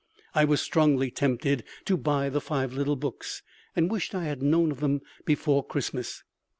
I was strongly tempted to buy the five little books, and wished I had known of them before Christmas.